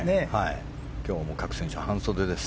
今日も各選手、半袖です。